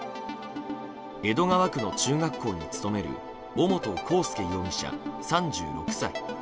江戸川区の中学校に勤める尾本幸祐容疑者、３６歳。